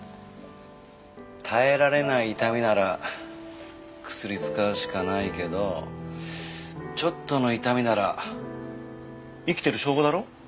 耐えられない痛みなら薬使うしかないけどちょっとの痛みなら生きてる証拠だろ？